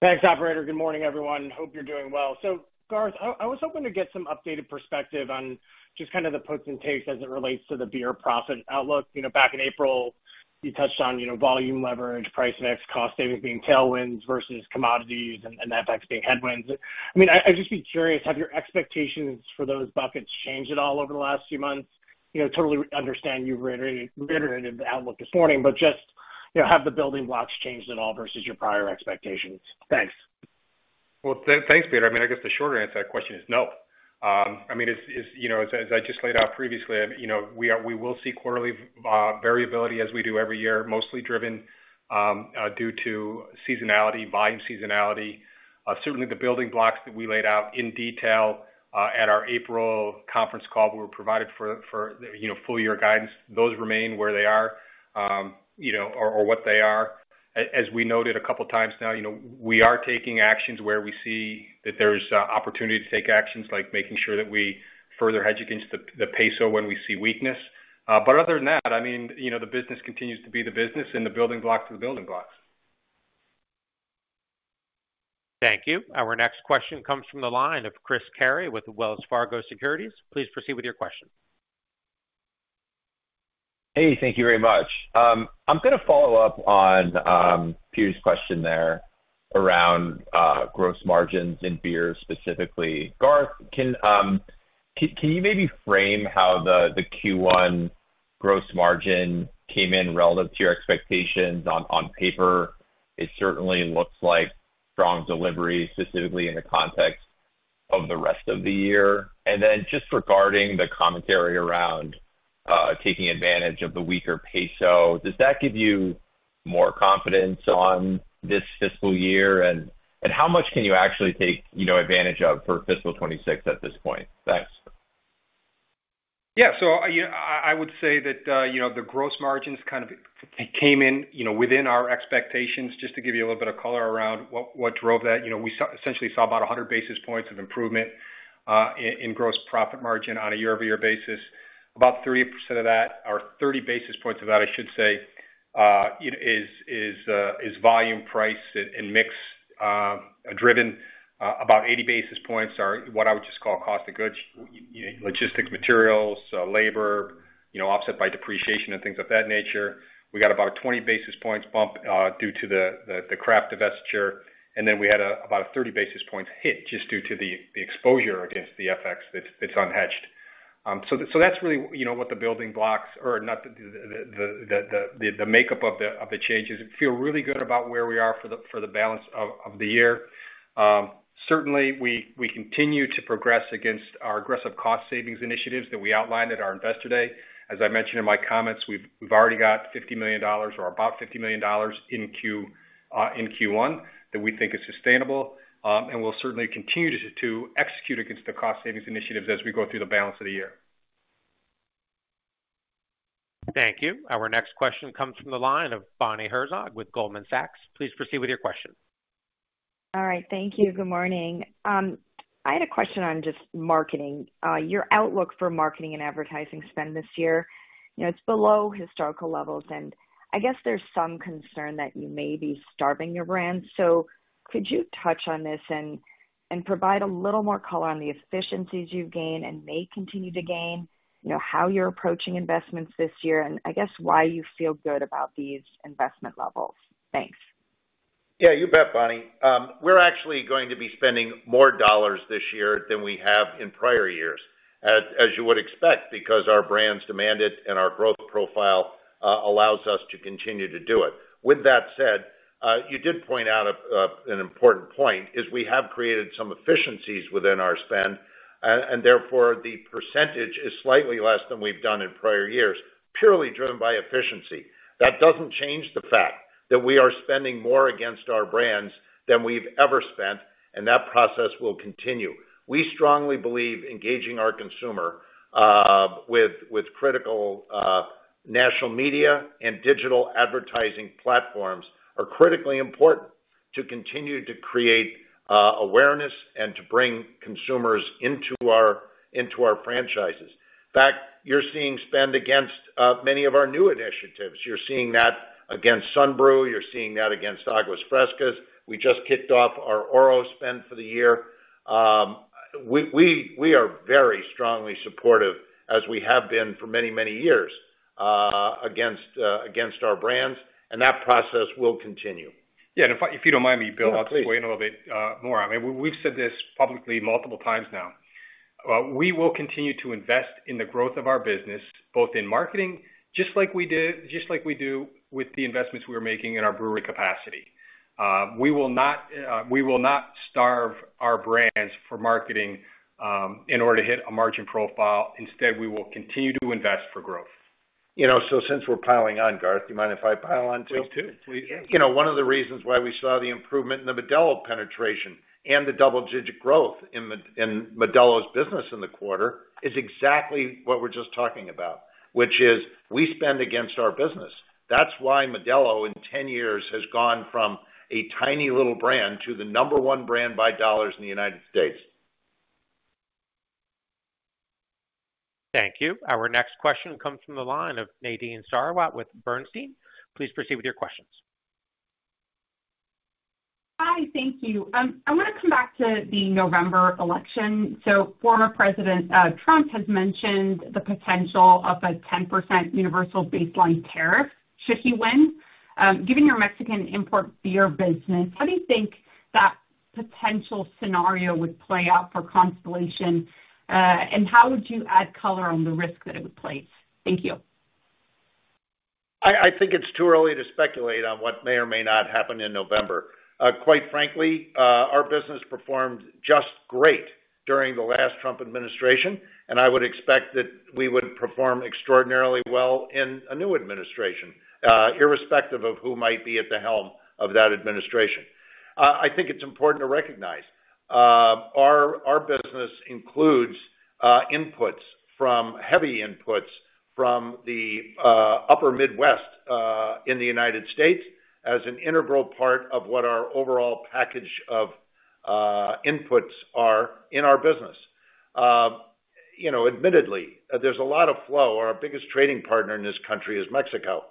Thanks, operator. Good morning, everyone. Hope you're doing well. So Garth, I was hoping to get some updated perspective on just kind of the posts and takes as it relates to the beer profit outlook. Back in April, you touched on volume leverage, price mix, cost savings being tailwinds versus commodities and FX being headwinds. I mean, I'd just be curious, have your expectations for those buckets changed at all over the last few months? Totally understand you reiterated the outlook this morning, but just have the building blocks changed at all versus your prior expectations? Thanks. Well, thanks, Peter. I mean, I guess the short answer to that question is no. I mean, as I just laid out previously, we will see quarterly variability as we do every year, mostly driven due to seasonality, volume seasonality. Certainly, the building blocks that we laid out in detail at our April conference call we were provided for full-year guidance, those remain where they are or what they are. As we noted a couple of times now, we are taking actions where we see that there's opportunity to take actions, like making sure that we further hedge against the peso when we see weakness. But other than that, I mean, the business continues to be the business, and the building blocks are the building blocks. Thank you. Our next question comes from the line of Chris Carey with Wells Fargo Securities. Please proceed with your question. Hey, thank you very much. I'm going to follow up on Peter's question there around gross margins in beer, specifically. Garth, can you maybe frame how the Q1 gross margin came in relative to your expectations? On paper, it certainly looks like strong deliveries, specifically in the context of the rest of the year. And then just regarding the commentary around taking advantage of the weaker peso, does that give you more confidence on this fiscal year? And how much can you actually take advantage of for fiscal 2026 at this point? Thanks. Yeah. So I would say that the gross margins kind of came in within our expectations. Just to give you a little bit of color around what drove that, we essentially saw about 100 basis points of improvement in gross profit margin on a year-over-year basis. About 30% of that, or 30 basis points of that, I should say, is volume price and mix driven. About 80 basis points are what I would just call cost of goods, logistics, materials, labor, offset by depreciation, and things of that nature. We got about a 20 basis points bump due to the craft divestiture. And then we had about a 30 basis points hit just due to the exposure against the FX that's unhedged. So that's really what the building blocks, or not the makeup of the changes, feel really good about where we are for the balance of the year. Certainly, we continue to progress against our aggressive cost savings initiatives that we outlined at our Investor Day. As I mentioned in my comments, we've already got $50 million or about $50 million in Q1 that we think is sustainable. We'll certainly continue to execute against the cost savings initiatives as we go through the balance of the year. Thank you. Our next question comes from the line of Bonnie Herzog with Goldman Sachs. Please proceed with your question. All right. Thank you. Good morning. I had a question on just marketing. Your outlook for marketing and advertising spend this year, it's below historical levels, and I guess there's some concern that you may be starving your brand. Could you touch on this and provide a little more color on the efficiencies you've gained and may continue to gain, how you're approaching investments this year, and I guess why you feel good about these investment levels? Thanks. Yeah, you bet, Bonnie. We're actually going to be spending more dollars this year than we have in prior years, as you would expect, because our brands demand it and our growth profile allows us to continue to do it. With that said, you did point out an important point: we have created some efficiencies within our spend, and therefore the percentage is slightly less than we've done in prior years, purely driven by efficiency. That doesn't change the fact that we are spending more against our brands than we've ever spent, and that process will continue. We strongly believe engaging our consumer with critical national media and digital advertising platforms are critically important to continue to create awareness and to bring consumers into our franchises. In fact, you're seeing spend against many of our new initiatives. You're seeing that against Sunbrew. You're seeing that against Aguas Frescas. We just kicked off our Oro spend for the year. We are very strongly supportive, as we have been for many, many years, against our brands, and that process will continue. Yeah. And if you don't mind me, Bill, I'll explain a little bit more. I mean, we've said this publicly multiple times now. We will continue to invest in the growth of our business, both in marketing, just like we do with the investments we are making in our brewery capacity. We will not starve our brands for marketing in order to hit a margin profile. Instead, we will continue to invest for growth. So since we're piling on, Garth, do you mind if I pile on too? Please, please. One of the reasons why we saw the improvement in the Modelo penetration and the double-digit growth in Modelo's business in the quarter is exactly what we're just talking about, which is we spend against our business. That's why Modelo, in 10 years, has gone from a tiny little brand to the number one brand by dollars in the United States. Thank you. Our next question comes from the line of Nadine Sarwat with Bernstein. Please proceed with your questions. Hi. Thank you. I want to come back to the November election. So former President Trump has mentioned the potential of a 10% universal baseline tariff should he win. Given your Mexican import beer business, how do you think that potential scenario would play out for Constellation, and how would you add color on the risk that it would place? Thank you. I think it's too early to speculate on what may or may not happen in November. Quite frankly, our business performed just great during the last Trump administration, and I would expect that we would perform extraordinarily well in a new administration, irrespective of who might be at the helm of that administration. I think it's important to recognize our business includes inputs from heavy inputs from the upper Midwest in the United States as an integral part of what our overall package of inputs are in our business. Admittedly, there's a lot of flow. Our biggest trading partner in this country is Mexico,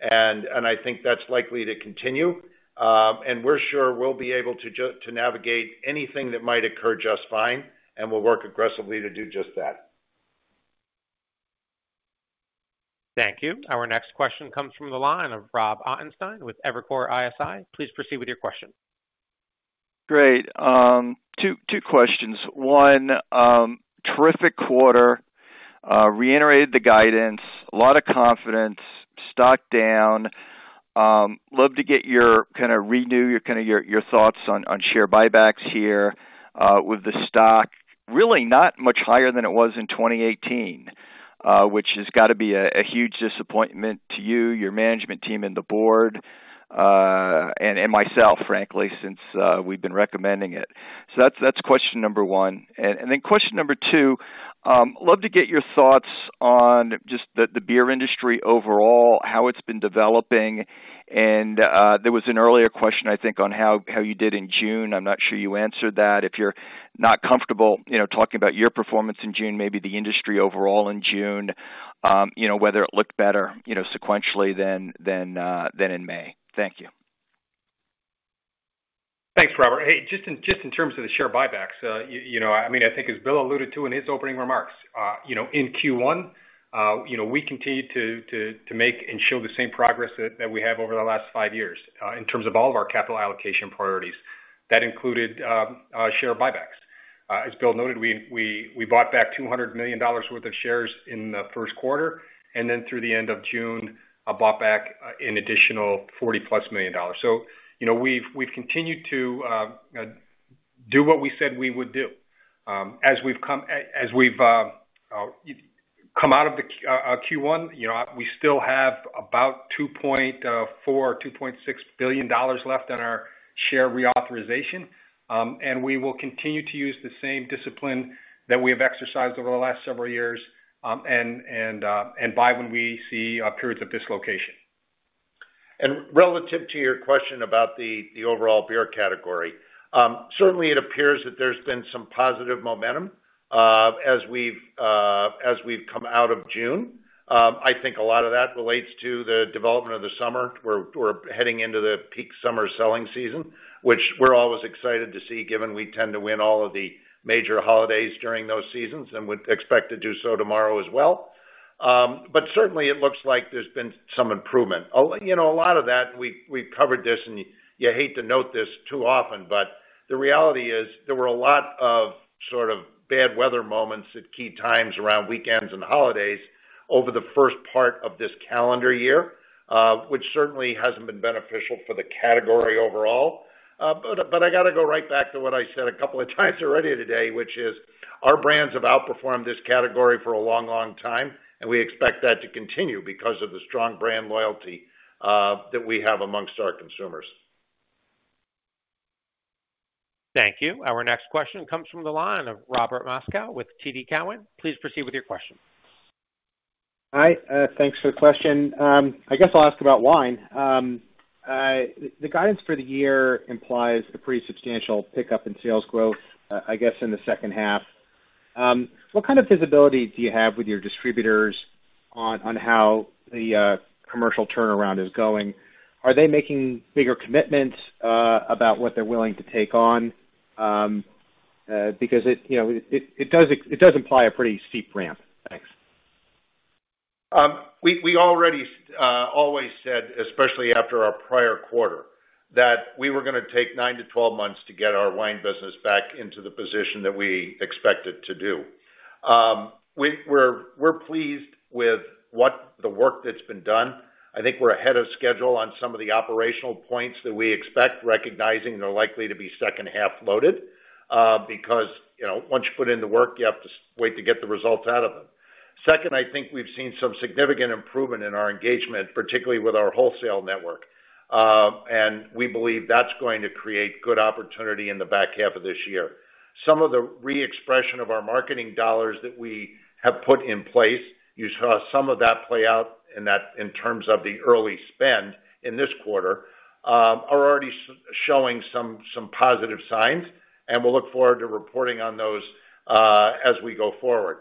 and I think that's likely to continue. We're sure we'll be able to navigate anything that might occur just fine, and we'll work aggressively to do just that. Thank you. Our next question comes from the line of Rob Ottenstein with Evercore ISI. Please proceed with your question. Great. Two questions. One, terrific quarter, reiterated the guidance, a lot of confidence, stock down. Love to get your kind of renew your kind of your thoughts on share buybacks here with the stock really not much higher than it was in 2018, which has got to be a huge disappointment to you, your management team, and the board, and myself, frankly, since we've been recommending it. So that's question number one. And then question number two, love to get your thoughts on just the beer industry overall, how it's been developing. And there was an earlier question, I think, on how you did in June. I'm not sure you answered that. If you're not comfortable talking about your performance in June, maybe the industry overall in June, whether it looked better sequentially than in May. Thank you. Thanks, Robert. Hey, just in terms of the share buybacks, I mean, I think, as Bill alluded to in his opening remarks, in Q1, we continued to make and show the same progress that we have over the last 5 years in terms of all of our capital allocation priorities. That included share buybacks. As Bill noted, we bought back $200 million worth of shares in the first quarter, and then through the end of June, bought back an additional $40+ million. So we've continued to do what we said we would do. As we've come out of Q1, we still have about $2.4 billion-$2.6 billion left on our share reauthorization, and we will continue to use the same discipline that we have exercised over the last several years and buy when we see periods of dislocation. Relative to your question about the overall beer category, certainly it appears that there's been some positive momentum as we've come out of June. I think a lot of that relates to the development of the summer. We're heading into the peak summer selling season, which we're always excited to see given we tend to win all of the major holidays during those seasons and would expect to do so tomorrow as well. Certainly, it looks like there's been some improvement. A lot of that, we've covered this, and you hate to note this too often, but the reality is there were a lot of sort of bad weather moments at key times around weekends and holidays over the first part of this calendar year, which certainly hasn't been beneficial for the category overall. But I got to go right back to what I said a couple of times already today, which is our brands have outperformed this category for a long, long time, and we expect that to continue because of the strong brand loyalty that we have amongst our consumers. Thank you. Our next question comes from the line of Robert Moskow with TD Cowen. Please proceed with your question. Hi. Thanks for the question. I guess I'll ask about wine. The guidance for the year implies a pretty substantial pickup in sales growth, I guess, in the second half. What kind of visibility do you have with your distributors on how the commercial turnaround is going? Are they making bigger commitments about what they're willing to take on? Because it does imply a pretty steep ramp. Thanks. We already always said, especially after our prior quarter, that we were going to take 9-12 months to get our wine business back into the position that we expected to do. We're pleased with the work that's been done. I think we're ahead of schedule on some of the operational points that we expect, recognizing they're likely to be second half loaded because once you put in the work, you have to wait to get the results out of them. Second, I think we've seen some significant improvement in our engagement, particularly with our wholesale network. We believe that's going to create good opportunity in the back half of this year. Some of the re-expression of our marketing dollars that we have put in place, you saw some of that play out in terms of the early spend in this quarter, are already showing some positive signs, and we'll look forward to reporting on those as we go forward.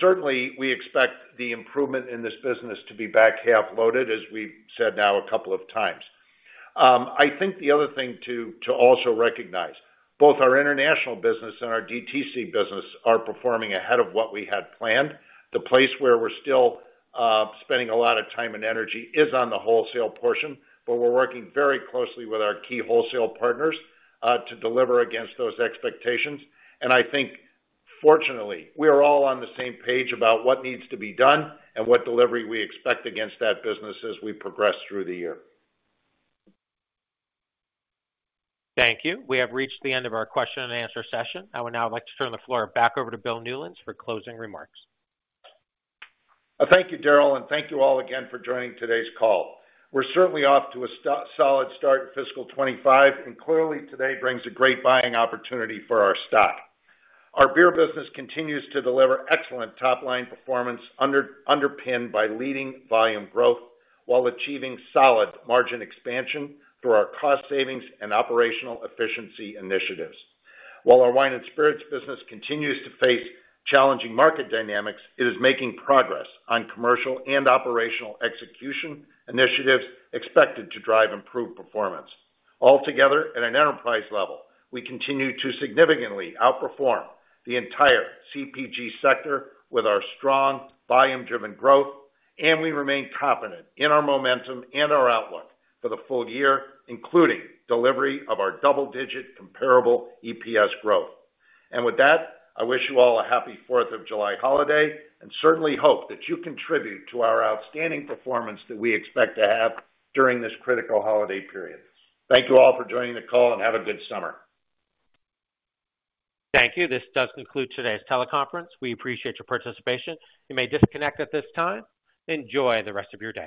Certainly, we expect the improvement in this business to be back half loaded, as we've said now a couple of times. I think the other thing to also recognize, both our international business and our DTC business are performing ahead of what we had planned. The place where we're still spending a lot of time and energy is on the wholesale portion, but we're working very closely with our key wholesale partners to deliver against those expectations. I think, fortunately, we are all on the same page about what needs to be done and what delivery we expect against that business as we progress through the year. Thank you. We have reached the end of our question and answer session. I would now like to turn the floor back over to Bill Newlands for closing remarks. Thank you, Darrell, and thank you all again for joining today's call. We're certainly off to a solid start in fiscal 2025, and clearly, today brings a great buying opportunity for our stock. Our beer business continues to deliver excellent top-line performance underpinned by leading volume growth while achieving solid margin expansion through our cost savings and operational efficiency initiatives. While our wine and spirits business continues to face challenging market dynamics, it is making progress on commercial and operational execution initiatives expected to drive improved performance. Altogether, at an enterprise level, we continue to significantly outperform the entire CPG sector with our strong volume-driven growth, and we remain confident in our momentum and our outlook for the full year, including delivery of our double-digit comparable EPS growth. With that, I wish you all a happy 4th of July holiday and certainly hope that you contribute to our outstanding performance that we expect to have during this critical holiday period. Thank you all for joining the call and have a good summer. Thank you. This does conclude today's teleconference. We appreciate your participation. You may disconnect at this time. Enjoy the rest of your day.